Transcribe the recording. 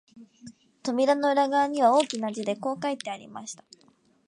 扉の裏側には、大きな字でこう書いてありました